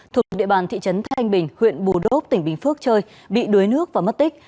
thuộc địa bàn thị trấn thanh bình huyện bù đốp tỉnh bình phước chơi bị đuối nước và mất tích